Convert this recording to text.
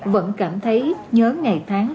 vẫn cảm thấy nhớ ngày tháng